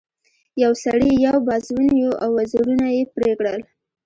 یو سړي یو باز ونیو او وزرونه یې پرې کړل.